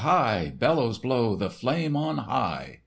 Bellows blow The blaze on high!